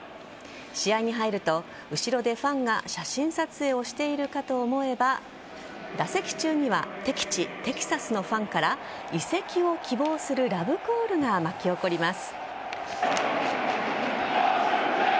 試合に入ると後ろでファンが写真撮影をしているかと思えば打席中には敵地・テキサスのファンから移籍を希望するラブコールが巻き起こります。